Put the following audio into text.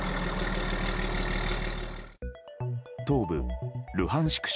東部ルハンシク